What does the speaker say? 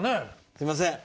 すいません。